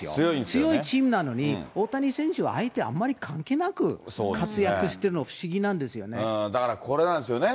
強いチームなのに、大谷選手は相手あんまり関係なく活躍してるの、不思議なんですよだからこれなんですよね。